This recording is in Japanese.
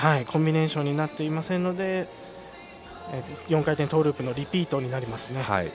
コンビネーションになっていませんので４回転トーループのリピートになりますね。